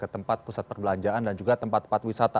ketempat pusat perbelanjaan dan juga tempat tempat wisata